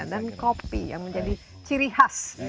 dan kopi yang menjadi ciri khas